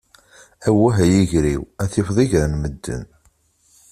Awah a yiger-iw, ad tifeḍ iger n medden!